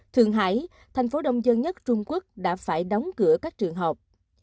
thường hải thành phố đông dân nhất trung quốc đã phải đóng cửa các trường hợp